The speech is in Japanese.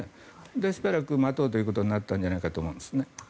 しばらく待とうということになったんじゃないかと思うんですね。